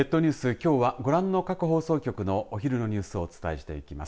きょうはご覧の各放送局のお昼のニュースをお伝えしていきます。